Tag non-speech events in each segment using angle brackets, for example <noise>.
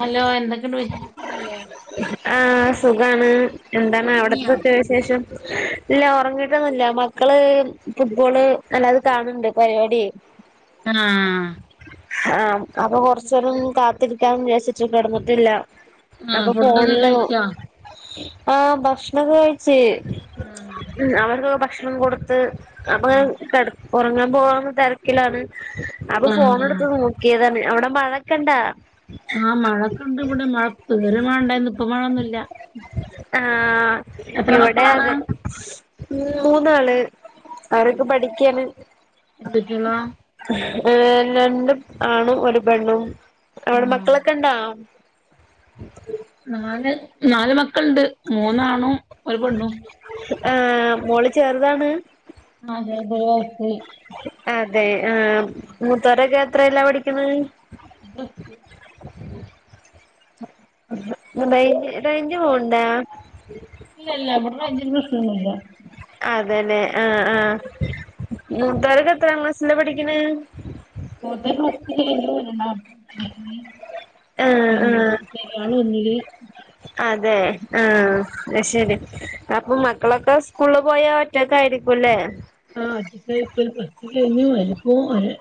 hello എന്തൊക്കെയണ്ട് വിശേഷം സുഖം ല്ലേ ആ സുഖാണ് എന്താണ് ഉറങ്ങിയോ അവിടത്തതൊക്കെ വിശേഷം ഇല്ല ഉറങ്ങിട്ടന്നല്ല മക്കള് ഫുട്ബോള് നല്ലാത കാണണ്ട് പരിപാടിയ ആ... ഹാ അപ്പൊ കൊറച്ചരം കാത്തിരിക്കാൻ വിചാര്ച്ചിട്ട് കിടന്നിട്ടില്ല ആ ആ ഭക്ഷണക്കെ കഴിച് ഉം ഭക്ഷണം കൊടുത്ത് അപ്പ ഉറങ്ങാൻ പോകുന്ന തിരക്കിലാണ് അപ്പൊ ആഹ് ഫോണ ആഹ് എടുത്ത് നോക്കിയതാണ് അവിടെ മഴൊക്കെ ഇണ്ടാ ആ മഴക്കുണ്ട ഇവിടെമഴ പെരുമഴ ണ്ടായിന്ന് ഇപ്പ മഴയൊന്നുംല്ല ആ ഇവിടെ അതെ ഉ മൂന്നാള് ആരൊക്കെ ആഹ് പഠിക്കാന് എന്ത് കുട്ടികളാ ഏ രണ്ട് ആണ് ഒരു പെണ്ണും അവിടെ ആഹ് മക്കളൊക്കെ ഇണ്ടാ ഉ നാല് നാല് മക്കളുണ്ട് മൂന്നാണും ഒരു പെണ്ണും ആ മോള് ചെറുതാണ് ആ ചെറുത് ഒരു വയസ്സായി അതെ ആ മുത്തരൊക്കെ എത്രലാ പഠിക്ക്ണ് പ്ലസ് ടു റൈഞ്ച് പോണ്ട ഇല്ല ഇല്ല ഇവിടെ റൈഞ്ചിന് പ്രശ്നൊന്നുല്ല അതെല്ലേ ആ ആ മൂത്തോര് എത്ര ക്ലാസ്സിലാ പഠിക്കണ് മൂത്തത് പ്ലസ് ടു കഴിഞ്ഞു ആഹ് ആഹ് ആൾ വന്നീൽ അതെ ആഹ അയ്ശരി അപ്പൊ മക്കളൊക്കെ സ്കൂളിൽ പോയ ഒറ്റക്കായിരിക്കുംലെ ആദ്യത്തെ ഒരു പ്ലസ് ടു കഴിഞ്ഞു അതിൽ ഒരു എ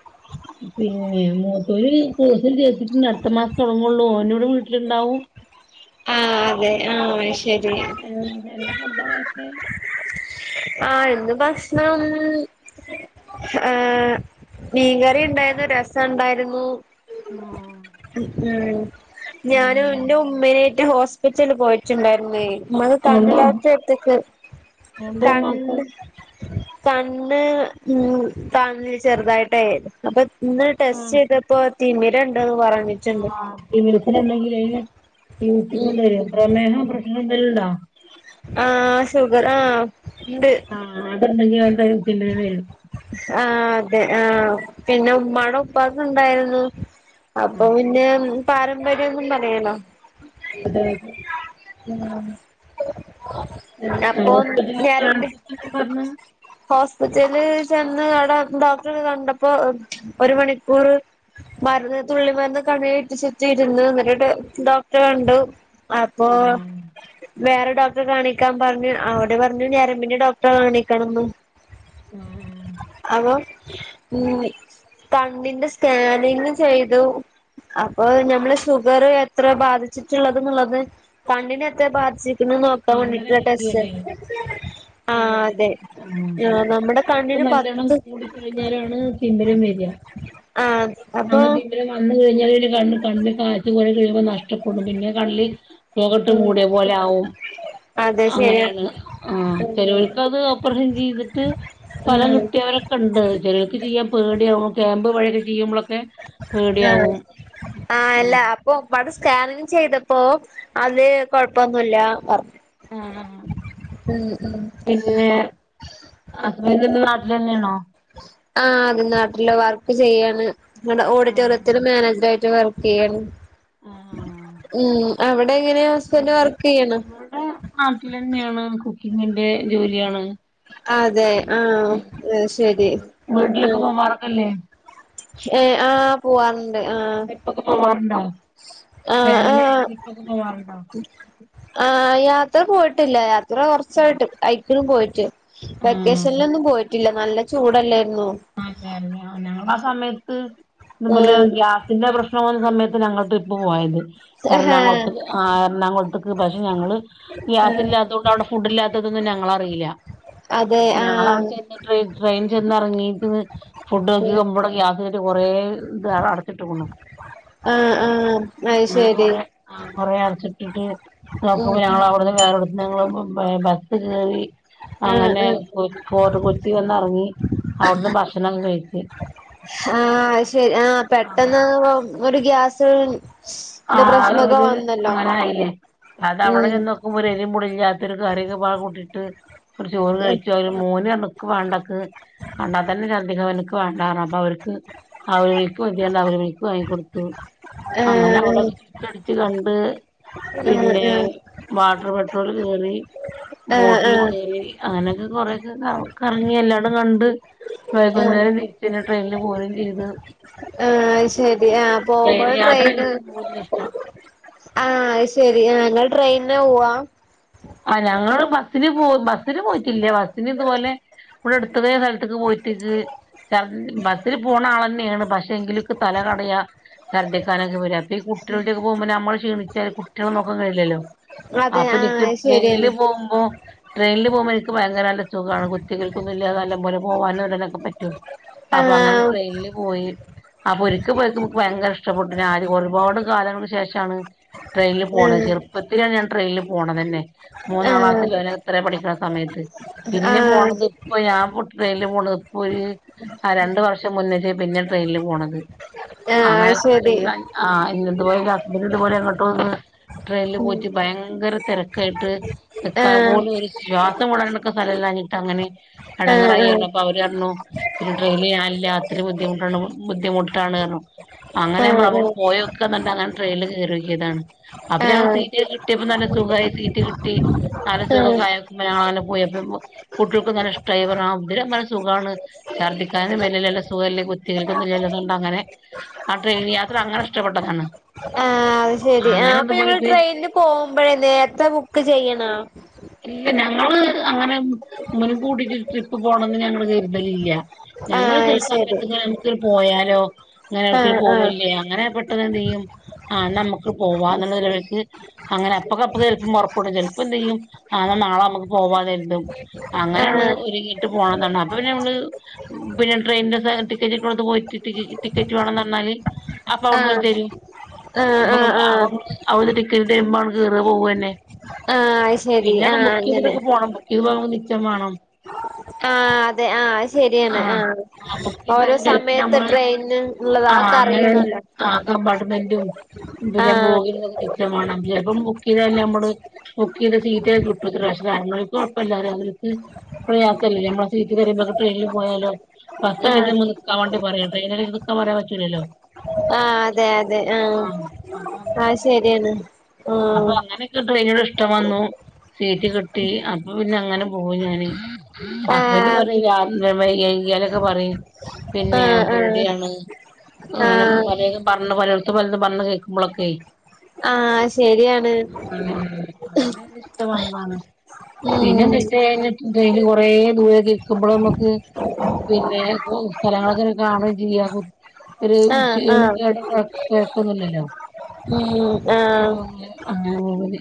പിന്നെ മൂത്തോല് കോഴ്സ് ചേർന്ന് അടുത്ത മാസം തുടങ്ങുള്ളൂ ഓൻ ഇവിടെ വീട്ടിലുണ്ടാവും ആഹ അതെ ആഹ് അയ്ശരി എന്താ ഫുഡാ കഴിച്ചേ ആ ഇന്ന് ഭക്ഷണം മ്മ് മ്മ് ഏഹ് മീൻകറി ഉണ്ടായിരുന്നു രസം ഉണ്ടായിരുന്നു ആ ഉം ഞനും പിന്നെ ഇന്റെ ഉമ്മനെ ഹോസ്പിറ്റൽ പോയിട്ടുണ്ടായിരുന്നു ണയ് ഇമ്മക്ക് കണ്ണ് ഉണ്ടോ ഡോക്ടറെ എടുത്തക്ക് ഉണ്ടോ ഉമ്മാക്ക് കണ്ണ് കണ്ണ് ഉം കാണില്ല ചെറുതായിട്ടയ് അപ്പൊ ഇന്ന് ടെസ്റ്റ് ചെയ്തപ്പോ തിമിരണ്ട് ആഹ് തിമിരത്തിന് എന്തെല്ല ഉം പ്രേമഹം പ്രേഷ് അങ്ങനെ എന്തേലുണ്ടോ ആഹ് ഷുഗർ ആഹ് ഉണ്ട് ണ്ടായാൽ വെരും ഏഹ് ആഹ പിന്നെ ഉമ്മാടെ ഉപ്പാക്ക് ഉണ്ടായിരുന്നു അപ്പൊ ആ പിന്നെ പാരമ്പര്യന്നും പറയാലോ അതെ ഉം ഹോസ്പിറ്റല കാണച്ചപ്പോ എന്താ പറഞ്ഞെ ഹോസ്പിറ്റൽ ചെന്ന് ആടെ ഡോക്ടറെ ഒക്കെ കണ്ടപ്പോ ഒരു മണിക്കൂർ മരുന്ന് തുള്ളി മരുന്ന് കണ്ണിൽ ഉറ്റിച്ചിട്ടിരുന്നു എന്നിട്ട് ഡോക്ടർ കണ്ടു അപ്പൊ ആ വേറെ ഡോക്ടറെ കാണിക്കാൻ പറഞ്ഞു അവിടെ പറഞ്ഞു ഞരമ്പിന്റെ ഡോക്ടറെ കാണിക്കണംന്ന് ആ അതോ ഉ കണ്ണിന്റെ സ്കാനിങ് ചെയ്തു അപ്പൊ ഞമ്മള് ഷുഗർ എത്ര ബാധിച്ചിട്ടുള്ളത് എന്നുള്ളത് കണ്ണിനെ എത്ര ബാധിച്ചിട്ട് ക്കണ് എന്ന് നോക്കാൻ ആ ആ അതൊക്കെ വേണ്ടിട്ടുള്ള ചെക്ക് ടെസ്റ്റ് ചെയ്യണ്ടേ അതെ ആഹ് ആ നമ്മുടെ ഷുഗർ കണ്ണിന് നല്ലവണ്ണം പത്ത് കൂടികഴിഞ്ഞാലാണ് തിമിരം വെര ആഹ് അപ്പൊ അങ്ങനെ തിമിരം വന്ന് കഴിഞ്ഞപിന്നെ കണ്ണ് കണ് കാഴ്ച്ച കുറെ കഴിയുമ്പോ നഷ്ടം നഷ്ടപ്പെടും പിന്നെ കണ്ണിൽ പൊക ഇട്ട് ഉം മൂടിയ പോലെ ആകും അതെ ശരിയാ അങ്ങനെയാണ് ആഹ ഉം ചേലോൽകത് ഓപ്പറേഷൻ ചെയ്തിട്ട് ഫലം ഉം കിട്ടിയവരൊക്കെ ഉണ്ട് ചിലർക്ക് ചെയ്യാൻ പേടിയാവും ക്യാമ്പ് വഴിയൊക്കെ ചെയ്യുമ്പോളൊക്കെ ആ പേടിയാവും ആഹ അല്ല ഉം അപ്പൊ പ്പാട് സ്കാനിങ്ങ് ചെയ്തപ്പോ അതിൽ കൊഴപ്പൊന്നുമില്ല പറഞ്ഞു ആഹ ആഹ് ഉം ഉം പിന്നെ ആ റിനു ഇന്ന് നാട്ടിൽ വന്ന്ണോ ആ അത് നാട്ടില് വർക്ക് ചെയ്യാണ് ങ്ങാട്ട് ഓഡിറ്റോറിയത്തിൽ ആഹ് മാനേജർ ആയിട്ട് വർക്ക് ഏഹ് ആഹ് ഉം അവിടെ ഇവിടെ എങ്ങനെ ഹസ്ബൻഡ് വർക്ക് ചെയ്യണ ന്നെയാണ് കുക്കിങ്ങിന്റെ ജോലിയാണ് അതെ ആഹ ശരി വീട്ടിലൊക്കെ ആഹ് പോവാറൊക്കെല്ലേ ഏ ആ് പോവാ ട്രിപ്പോക്കെ പോവാറുണ്ടോ ആഹ് ഫാമിലി ആഹ് ട്രിപ്പോക്കെ പോവാറുണ്ടോ ആ യാത്ര പോയിട്ടില്ല യാത്ര കുറച്ചായിക്ക്ണ് പോയിട്ട് ആഹ് വെക്കേഷനിലൊന്നും പോയിട്ടില്ല നല്ല ചൂടല്ലേ അതെ അതെ ആ ഞങ്ങളെ സമയത്ത് ആഹ് എഹ് ഗ്യാസിന്റെ പ്രശ്നം വന്ന സമയത്ത് ഞങ്ങൾട്രിപ്പ് പോയത് ആഹാ എറണാകുളത്ത് ആ എറണാകുളത്തക്ക് പക്ഷെ ഞങ്ങള് ഗ്യാസ് ആഹ് ഇല്ലാത്ത കൊണ്ട് അവിടെ ഫുഡ് ഇല്ലാത്തത് തൊന്നും ഞങ്ങൾ അറിയില്ല അതെ ഞങ്ങൾ അവിടെ ആഹ് ചെന്നിട്ട് ട്രയ് ട്രെയിൻ ചെന്നെറങ്ങി ഫുഡ് നോക്കി ഉം നമ്മടെ ഗ്യാസട്ട് കൊറെ ഇത് അടച്ചിട്ട്ക്കണു ആഹ് ആഹ് അത് അങ്ങനെ ശരി കൊറെ കൊറെ അടച്ചിട്ടിട്ട് ഉം നോക്കുംപ ഉം ഞങ്ങള് അവിടുന്ന് വേറെ ങ്ങള് ബ ബസ് കേറി ആഹ് അങ്ങനെ കൊ ഫോർട്ട് കൊച്ചി വന്നിറങ്ങി അവിടുത്തെ ഭക്ഷണംക്ക കഴിച്ച് ആഹ് ആഹ് അത് ശരി ആഹ് അങ്ങനെ പെട്ടെന്ന് ഒരു ഗ്യാസ് ആ ന്റെ പ്രശ്നൊക്കെ ഒരു വന്നല്ലോ അങ്ങനായില്ല അതവിടെ ഉം ചോക്കുമ്പോ ഒരു എരിം പുളിം ഇല്ലാതൊരു കറിയൊക്കെ പാഴ കൂട്ടിട്ട് ഒരു ചോറ് ആഹ് കഴിച്ച് ഒരു മോനാണ് ക്ക്‌വേണ്ടെ ക്ക്‌ കണ്ടാ തന്നെ ചർദിക്കാൻ വന്ന് എനിക്ക് വേണ്ട പറഞ് അപ്പൊ അവർ ക്ക്‌ അവര് വിളിക്ക്‌ നൊക്കിയാല അവര് വിളിക്ക്‌ വാങ്ങി കൊടുത്തു അങ്ങനെ ടക്കെ ആഹ് ചുറ്റിഅടിച്ച് കണ്ട് ആഹ് പിന്നെ ആഹ് വാട്ടർ പെട്രോൾ കേറി ആഹ് ബോട്ടിൽ ആഹ് കേറി അങ്ങനൊക്കെ കൊറേക്കെ കറങ്ങി എല്ലാടും കണ്ട് ആഹ് വൈകുന്നേരം തിരിച്ച് ട്രെയിനിൽ പോരേം ചെയ്ത് ആഹ് ശെരി ആഹ് പോവുമ്പോൾ ട്രെയിന് മൂന്ന് ലക്ഷം ആഹ് അത് ശെരി ഞങ്ങൾ ട്രെയിനെ പോവാ ആ ഞങ്ങള് ബസ്സിന് പോ ബസ്സിന് പോയിട്ടില്ലേ ബസ്സിന് ഇതുപോലെ ഇമ്മടെ അടുത്തതേ സ്ഥലത്തേക്ക് പോയിട്ടേക്ക് ചർ ബസ്സിൽ പോണ ആൾ തന്നെണ് പക്ഷെ എങ്കിലിക്ക്‌ തല കടയാ ചഛർദിക്കാനൊക്കെ വരാ ഈ കുട്ടികളുടെ ഒക്കെ പോകുമ്പോ നമ്മള് ക്ഷീണിച്ചാല് കുട്ടികളെ നോക്കാൻ കഴിലല്ലോ അതെ അപ്പൊ ആഹ് എനിക്ക് അത് ശെരിയാണ് ട്രെയ്ൻല് പോകുമ്പോ ട്രെയിനിൽ പോകുമ്പോ എനിക്ക് ഭയങ്കര നല്ല ചുഖാണ് കുത്തികൾക്കൊന്നുല്ലാെ നല്ലം പോലെ പോകാനും ഉടനൊക്കെ പറ്റും അപ്പൊ അങ്ങനെ ആഹ് ട്രെയിനില് പോയി അപ്പൊ ഒരിക്കൽ പോയിക്ക നമുക്ക് ഭയങ്കര ഇഷ്ടപ്പെട്ടു ആര് ഒരുപാട് കാലങ്ങക്ക് ശേഷാണ് ട്രെയിനിൽ പോണത് ആഹ് ചെറുപ്പത്തിലാണ് ഞാൻ ട്രെയിനിൽ പോണതന്നെ മൂന്നാം ആഹ് ക്ലാസ്സിലോ ന ഇത്ര പഠിക്കണ സമയത്ത് പിന്നെ ആഹ് പോണത് ഇപ്പ ഞാൻ പൊട്ട ട്രെയ്ന് ല് പോണത് ഇപ്പൊ ഒരു രണ്ടു വർഷം മുന്നേട്ടേ പിന്നെ ട്രെയിനിൽ പോണത് ആഹ് അങ്ങനെ അത് ശെരി ആ ഇന്നതെപോലെ നംമ്പർ ഇതുപോലെ അങ്ങോട്ട് ട്രെയിനില് ഉം പോയിട്ട് ഭയങ്കര തിരക്കായിട്ട് വെക്കാൻ ആഹ് പോലെ ഒരു ശ്വാസം വിടാനൊക്കെ സ്ഥലംല്ലാഞ്ഞിട്ട് അങ്ങനെ ആഹ് അടങ്ങറായിപ്പൊ അവര്ഞ്ഞു പിന്നെ ട്രെയിനാനില്ല അത്ര ബുദ്ധിമുട്ട ബുദ്ധിമുട്ടാണ് പറഞ്ഞു അങ്ങനെ നമ്മള് ആഹ് അവിടേ ആഹ് പോയ് ക്ക നല്ല അങ്ങനെ ട്രെയിൽ കേറിനോക്കിയതാണ് ആഹ് അവരാ ആഹ് സീറ്റ് കിട്ടിയപ്പോ നല്ല സുഖായ സീറ്റ് കിട്ടി നല്ല സുഖക്ക ആഹ് ആയ് പോയി അപ്പ കുട്ടികൾക്ക് നല്ലഷ്ടായി പറഞ്ഞു ആ ഉള്ളിലെ മനസ് സുഖാണ് ഛർദ്ദിക്കാനും വരിലല്ല സുഖല്ലേ കുത്തികൾക്കൊന്നും ചല്ലതുകൊണ്ട് അങ്ങനെ ആ ട്രെയിൻ യാത്ര അങ്ങനെ ഇഷ്ടപ്പെട്ടതാണ് ആഹ് ശെരി ആ അങ്ങനെ അപ്പൊ ഞങ്ങൾ ഇതുപോലക്ക് ട്രെയിനിൽ പോകുമ്പോഴേ നേരത്തെ ബുക്ക് ചെയ്യണ ഇല്ല ഞങ്ങള് അങ്ങനെ മുൻകൂട്ടിട്ട് ട്രിപ്പ് പോണന്ന് ഞങ്ങള്ൾ കരുതലില്ല ഞങ്ങള് ആഹ് ചില അത് ശെരി സമയത്ത് ഇങ്ങനെ നമുക്ക് പോയാലോ അങ്ങനെ ഇപ്പോഴ് ആഹ് ആഹ് പോവല്ലേ അങ്ങനെ പെട്ടെന്ന് എന്ത് ചെയ്യും ആ നമുക്ക് പോവാന്നുള്ള നിലവിലക്ക് അങ്ങനെ അപ്പൊക്ക അപ്പ ചെലപ്പം പുറപ്പെടും ചിലപ്പോ എന്ത് ചെയ്യും ആന്ന നാളെ നമുക്ക് പോവാകര്തും അങ്ങനെണ് ആഹ് ഒരുങ്ങിട്ടും പോണം അപ്പ നമ്മള് പിന്നെ ട്രെയിന്റെ ടിക്കറ്റടുത്ത് പോയിട്ട് ടിക്കറ്റ് വേണം പറഞ്ഞാൽ അപ്പൊ അവിടന്ന് ആഹ് ഓര് തരും ആഹ് ആഹ് അപ്പൊ അവ ആഹ് അവര് രുമ്പാ അങ്ങട്ട് കേറ്ക പോവന്നെ ആ അത് ശരി പിന്നെ ബുക്കെയ്തിട്ടൊക്കെ പോണം ബുക്കെയ്ത് പോകുമ്പൊ നിച്ചം വേണം ആ അതെ ആ ശരിയാണ് ആ ആഹ് ആഹ് ബുക്ക് ഓരോ ചെയ്താലും ചെലപ്പോ സമയത്ത് നമ്മള് ട്രെയിന് ഉള്ളത ആ ഒക്കെ അറിയണല്ലേ ആ കംപാർട്ട്മെന്റും പിന്നെ ആഹ് ബോഗി ച്ചം വാനം ചെൽപ്പം ബുക്ക് എയ്താല് നമ്മള് ബുക്കെയ്ത സീ <unintelligible> കുഴപ്പില്ലല്ലരും അവക്ക് പ്രയാസമല്ല നമ്മെ സീറ്റ്ൽ വരുമ്പോക്ക ട്രെയിനിൽ പോയാല് ബസ്സൊക്കെ ആഹ് നമ്മക്ക്‌ നിക്കാൻ വേണ്ടി പറയും ട്രെയിനൊക്കെ നിൽക്കാൻ പറയാൻ പറ്റൂല്ലല്ലോ ആ അതെ അതെ ആ അപ്പൊ അ അങ്ങനെ ശരിയാണ് ആ ട്രെയിന് ഇഷ്ടം വന്നു സീറ്റ് കിട്ടി അപ്പൊ പിന്നെ അങ്ങനെ പോയി ഞാൻ ആഹ് ആഹ് അവര് പറയിം രാവിലെ <unintelligible> പറിം പിന്നെ ആഹ് പേടിയാണ് അങ്ങനെ ആഹ് പലേതും പർ പലടത്ത് പലതും പറഞ്ഞ് കേൾക്കുമ്പോളൊക്കെ ആ ശരിയാണ് ഇഷ്ട വന്നാണ് ഉം ട്രെയിനില് കൊറെ ദൂരക്കെ ഇരിക്കുമ്പോൾ നമുക്ക് പിന്നെ സ്ഥലങ്ങളൊക്കെ കാണും ചെയ്യാ ഒരു ആഹ് ആഹ് <unintelligible> ഒന്നില്ലല്ലോ ഉ ആ അങ്ങനെ പോവല്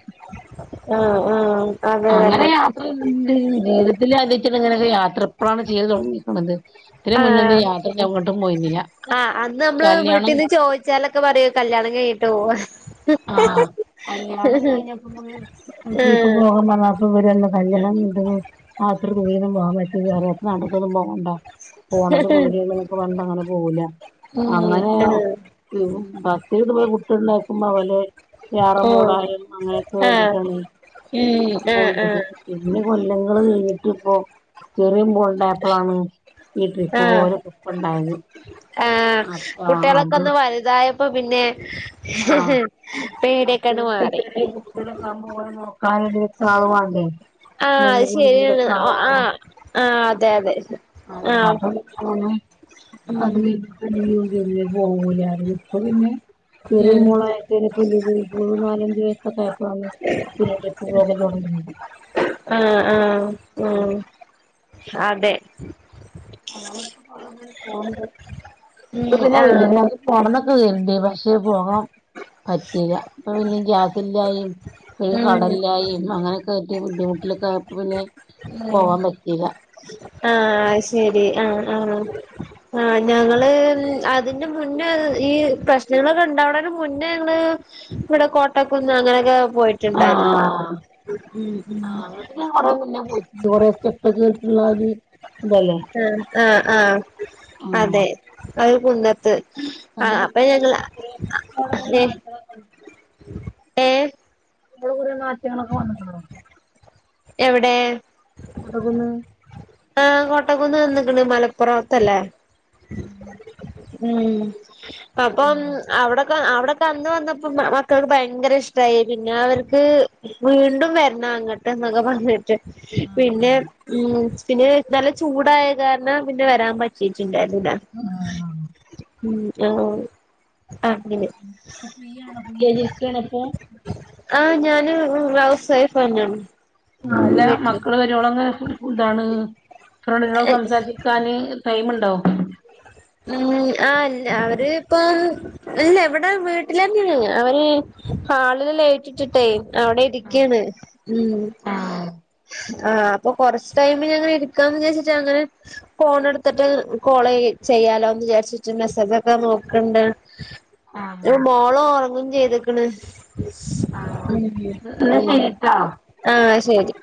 അ ആ അങ്ങനെ യാത്ര ജീവിതത്തിൽ അതിച്ചട്ട ഇങ്ങനൊക്കെ യാത്ര എപ്പോഴാണ് ചെയ്ത് തുടങ്ങിക്ക്ണ ത് ഇതിന് മുന്നോന്നും യാത്രക്ക്‌ എങ്ങോട്ടും പോയിരുന്നില്ല അന്നമ്മള് വീട്ടീന്ന് ചോയ്ച്ചാലൊക്കെ പറയും കല്യാണം കയ്യട്ടെ പോ ആ കല്യാണം കയ്ഞ്ഞപ്പ ഫുൾ ട്രിപ്പ് <unintelligible> ആഹ് <unintelligible> അത്ര ദൂരന്നും പോകൻവേരെ നടക്കൊന്നും പോകണ്ട പോണത് പേടി അങ്ങനൊക്കെ അങ്ങനെ പോകൂല ഉം അങ്ങനെ ആഹ് ബസ്സില് ഇതുപോലെ കുട്ട്യാൾ ഇണ്ടാകുമ്പോ ഓലെ വ്യാറ ഓഹ് മൂടായിമം അങ്ങനെയൊക്കെ ആഹ് വേണ്ടിട്ടാണ് ഉം ആഹ് പോയിത് ആഹ് പിന്നെ കൊലങ്ങൾ കഴിഞ്ഞിട്ട് ഇപ്പോ ചെറിയ ൾ ണ്ടായപ്പോഴാണ് ഈ ട്രിപ്പ് പോകലൊക്കെ ഉണ്ടായത് ആ കുട്ടികളൊക്കെ ഒന്ന് വലുതായപ്പോ പിന്നെ ആ പേടിയൊക്കെയങ്ങട് മറ്റേത് ചെർ മാറി ചെറ്യെ കുട്ട്യേളൊക്കെ ആകുമ്പോ ഓരെ നോ ആള് വാണ്ടേ ആ അയ്യ് മുന്നിലും ശരിയാണ് പിന്നിലൊക്കെ ആള് ആ ആ അതെ അതെ <inaudible> ആഹ് ഇപ്പൊ ഉം പിന്നെ ചെറിയ ഉം മോൾ ആയപ്പോഴാന് മൂന്നു നാല് അഞ്ച് വയസ്സൊക്കെ ആയപ്പോഴാണ് പിന്നോ ട്രിപ്പ്‌ പോകൻ ഒക്കെ തുടങ്ങിയത് ആ ആ ആ അതെ ഇപ്പോ ഉം പിന്നെ ആഹ് <unintelligible> ണ്ട് പക്ഷെ പോകാൻ പറ്റില്ല അപ്പൊ പിന്നെ ഗ്യാസ് ഇല്ലായി ഒരു ഉം കടല്ലായും അങ്ങനൊക്കെ ആയിട്ട് ബുദ്ധിമുട്ടിലൊക്കെ ആയപ്പോ പോവാൻ പറ്റീല്ല ആ ശരി ആ ആ ആ ഞങ്ങള് ഇതിന്റെ മുന്നേ ഈ പ്രശ്നങ്ങളൊക്കെ ഉണ്ടാവുന്നതിന് മുന്നേ ഞങ്ങള് ഇവിടെ കോട്ടക്കുന്ന് അങ്ങനെയൊക്കെ പോയിട്ട് ഉണ്ടാരുന്നു ആ അങ്ങ് കൊറെ മുന്നെ പോയി കൊറെ സ്റ്റെപ്പക്കെ ള്ള ആ ആ ആ അതെ അത് കുന്നത്ത് ആഹ് അപ്പൊ അവിടെക്കങ്ങനെ ഞങ്ങള് കൂറേ ഏഹ് മാറ്റങ്ങളൊക്കെ ഉണ്ട് ഏഹ് ഇവടെ കുറേ മാറ്റങ്ങളൊക്കെ വന്നിട്ടുണ്ട് എവിടെ കോട്ടക്കുന്ന് ആ് കോട്ടകുന്ന് വന്നിക്കണ് മലപ്പുറത്തല്ലേ ഉം ഉം അപ്പം അവിടൊക്കെ അവിടെ അന്ന് വന്നപ്പോ മക്കൾക്ക് ഭയങ്കര ഇഷ്ടായി പിന്നെ അവർക്ക് വീണ്ടും വരണം അങ്ങോട്ട് എന്നൊക്കെ പറഞ്ഞിട്ട് പിന്നെ ഉം പിന്നെ നല്ല ചൂടായ കാരണം പിന്നെ വരാൻ പറ്റിട്ടുണ്ടായിരു ന്നില്ല ആഹ് ആഹ് ഉം ആഹ് ആ ഇപ്പൊ ഫ്രീയാണോ പുള്ളി ആഹ് ഞാന് ഹൗസ് വൈഫ് തന്നാണ് ല്ല മക്കള് വരുവോളങ്ങക്ക് കൂട്ടാണ് ഫ്രണ്ട്നോട് സംസാരിച്ചിക്കാന് ടൈമുണ്ടോ ഉം ആ അവരിപ്പം ഇല്ല ഇവിടെ വീട്ടില് തന്നെയണ് അവര് ഹാളില് ലൈറ്റിട്ടിട്ടേ അവിടെ ഇരിക്കയാണ് ആഹ് അപ്പൊ കൊറച്ച് ടൈമിലിങ്ങ് ഇരിക്കാന്ന് വിചാരിച്ചിട്ടാണ് ഫോണെടുത്തിട്ട് കോളെയ്യും ചെയ്യാലോന്ന് വിചാരിച്ചിട്ടുണ്ട് മെസ്സേജോക്കെ നോക്കണ്ട് ആഹ് ഒരു മോള് ഉറങ്ങു ചെയ്തേക്കണ് ആഹ് എന്നാ ശരിട്ടോ ശെരി